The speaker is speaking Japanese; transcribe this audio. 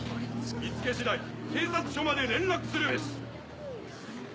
見つけ次第警察署まで連絡するべし。